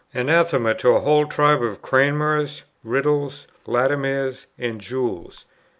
anathema to a whole tribe of Cranmers, Ridleys, Latimers, and Jewels!